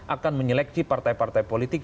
akan menyeleksi partai partai politik